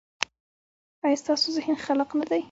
ایا ستاسو ذهن خلاق نه دی؟